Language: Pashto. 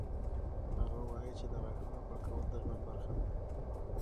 هغه وایي چې د غاښونو پاکول د ژوند برخه ده.